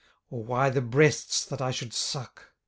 or why the breasts that I should suck?